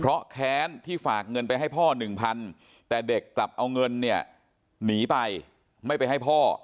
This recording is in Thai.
เพราะแค้นที่ฝากเงินไปให้พ่อหนึ่งพันแต่เด็กกลับเอาเงินเนี่ยหนีไปไม่ไปให้พ่อ